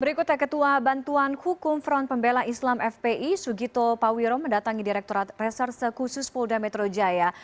berikutnya ketua bantuan hukum front pembela islam fpi sugito pawiro mendatangi direkturat reserse khusus polda metro jaya